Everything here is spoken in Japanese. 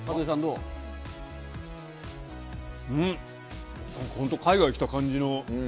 うん、本当、海外来た感じの。